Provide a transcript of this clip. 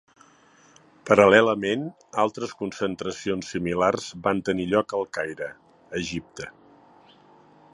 Paral·lelament, altres concentracions similars van tenir lloc al Caire, Egipte.